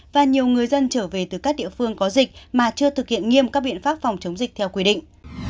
và nhiều người dân trở về từ các địa phương có dịch mà chưa thực hiện nghiêm các biện pháp phòng chống dịch theo quy định